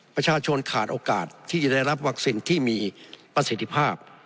ประชาชนขาดโอกาสที่จะได้รับวัคซีนที่มีประสิทธิภาพ